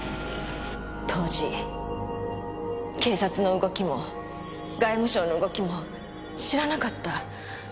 当時警察の動きも外務省の動きも知らなかった。